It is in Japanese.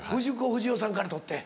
不二雄さんから取って？